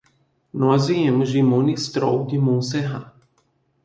Nós viemos de Monistrol de Montserrat.